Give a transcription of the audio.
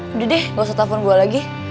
udah deh gak usah telepon gue lagi